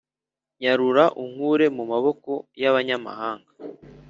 Nyarura unkure mu maboko y abanyamahanga